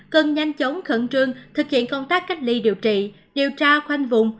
cần nhanh chóng khẩn trương thực hiện công tác cách ly điều trị điều tra khoanh vùng